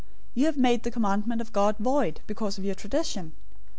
You have made the commandment of God void because of your tradition.